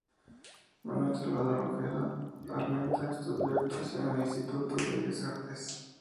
Manuel Salvador Ojeda Armenta estudió actuación en el Instituto de Bellas Artes.